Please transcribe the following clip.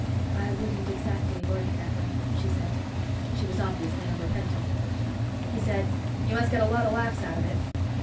"I wouldn't exactly word it that way," she said. She was obviously unrepentant. He said, "You must get a lot of laughs out of it.